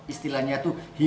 istilahnya itu hilir